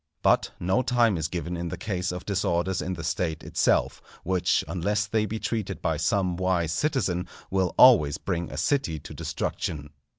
But no time is given in the case of disorders in the State itself, which unless they be treated by some wise citizen, will always bring a city to destruction.